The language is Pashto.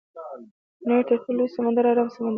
د نړۍ تر ټولو لوی سمندر ارام سمندر دی.